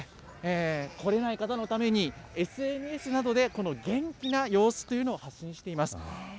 来れない方のために、ＳＮＳなどで、この元気な様子というのを発信しています。